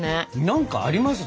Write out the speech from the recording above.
何かあります？